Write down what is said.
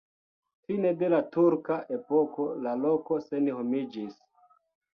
Fine de la turka epoko la loko senhomiĝis.